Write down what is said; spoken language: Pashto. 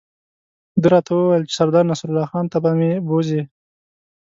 ده راته وویل چې سردار نصرالله خان ته به مې بوزي.